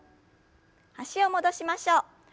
脚を戻しましょう。